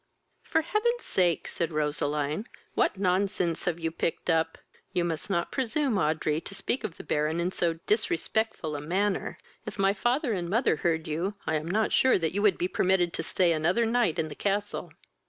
"For heaven's sake, (said Roseline,) what nonsense have you picked up? You must not presume, Audrey, to speak of the Baron in so disrespectful a manner. If my father and mother heard you, I am not sure that you would be permitted to stay another night in the castle."